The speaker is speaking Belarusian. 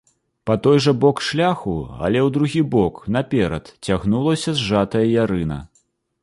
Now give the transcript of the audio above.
Па той жа бок шляху, але ў другі бок, наперад, цягнулася зжатая ярына.